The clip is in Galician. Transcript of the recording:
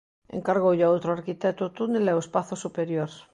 Encargoulle a outro arquitecto o túnel e o espazo superior.